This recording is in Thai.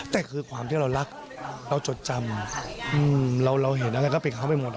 แต่คือความที่เรารักเราจดจำเราเห็นอะไรก็เป็นเขาไปหมด